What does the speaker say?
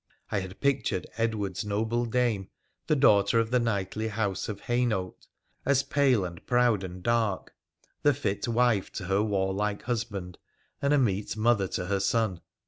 I had. pic tured Edward's noble dame, the daughter of the knightly house of Hainault, as pale and proud and dark — the fit wife to her warlike husband, and a meet mother to her son.